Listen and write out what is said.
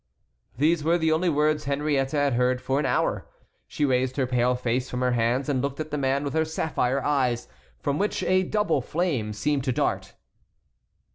These were the only words Henriette had heard for an hour. She raised her pale face from her hands and looked at the man with her sapphire eyes, from which a double flame seemed to dart.